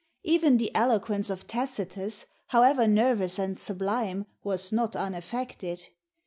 Even the eloquence of Tacitus, however nervous and sublime, was not unaffected.